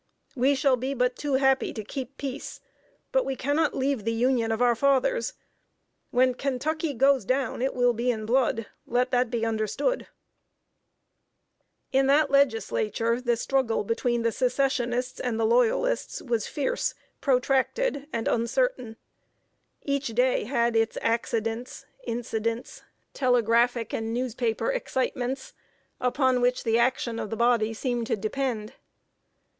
We shall be but too happy to keep peace, but we cannot leave the Union of our fathers. When Kentucky goes down, it will be in blood! Let that be understood." [Sidenote: STRUGGLE IN THE KENTUCKY LEGISLATURE.] In that Legislature, the struggle between the Secessionists and the Loyalists was fierce, protracted, and uncertain. Each day had its accidents, incidents, telegraphic and newspaper excitements, upon which the action of the body seemed to depend.